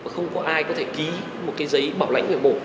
không có ai có thể ký một cái giấy bảo lãnh về mổ